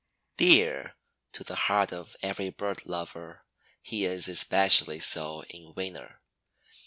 Dear to the heart of every bird lover, he is especially so in winter.